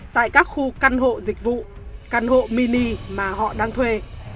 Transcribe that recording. tại các khu căn hộ dịch vụ căn hộ mini mà họ đang thuê